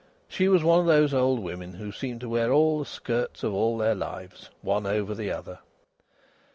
She was one of those old women who seem to wear all the skirts of all their lives, one over the other.